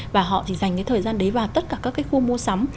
và họ chỉ dành cái thời gian đấy vào tất cả các cái khu mua sắm